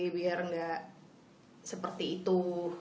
biar gak seperti itu